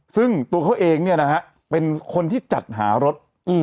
ซึ่งตัวเขาเองเนี่ยนะฮะเป็นคนที่จัดหารถ